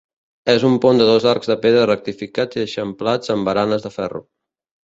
És un pont de dos arcs de pedra rectificats i eixamplats amb baranes de ferro.